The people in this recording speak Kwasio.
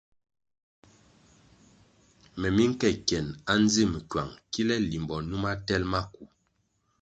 Me mi nke kyenʼ andzim kywang kile limbo numa tel maku.